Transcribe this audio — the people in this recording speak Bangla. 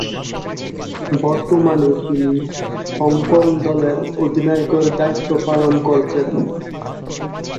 বর্তমানে তিনি হংকং দলের অধিনায়কের দায়িত্ব পালন করছেন।